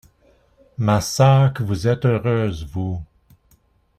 Ma sœur, que vous êtes heureuse, vous!